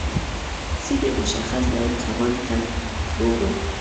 ځینې مشخص ډول کبان تر نورو